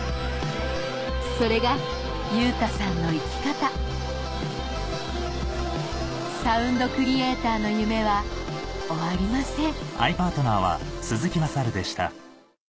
それが優太さんの生き方サウンドクリエイターの夢は終わりません